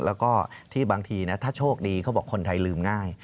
แล้วก็ที่บางทีถ้าโชคดีเขาบอกคนไทยลืมง่าย